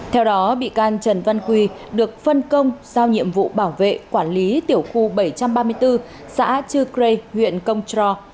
theo đó bị can trần văn quy được phân công sau nhiệm vụ bảo vệ quản lý tiểu khu bảy trăm ba mươi bốn xã chư crê huyện công tro